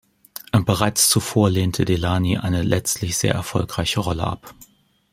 Bereits zuvor lehnte Delany eine letztlich sehr erfolgreiche Rolle ab.